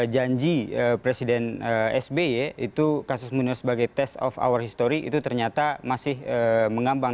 janji presiden sby itu kasus munir sebagai test of hour history itu ternyata masih mengambang